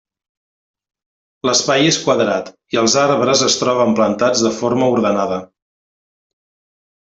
L'espai és quadrat i els arbres es troben plantats de forma ordenada.